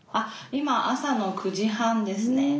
今朝の９時半ですね。